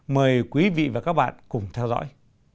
mời quý vị và các bạn cùng theo dõi